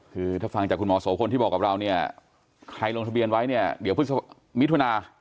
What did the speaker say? คือถ้าฟังจากคุณหมอโสภนที่บอกกับเราใครลงทะเบียนไว้เดี๋ยวพฤษภาคมีทุนา